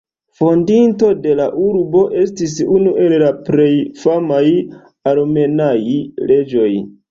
Fondinto de la urbo, estis unu el la plej famaj armenaj reĝoj.